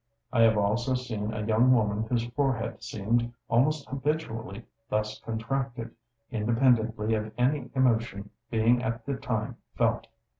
I have also seen a young woman whose forehead seemed almost habitually thus contracted, independently of any emotion being at the time felt.